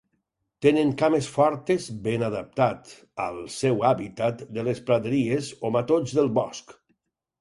Tenen cames fortes, ben adaptat al seu hàbitat de les praderies o matolls del bosc.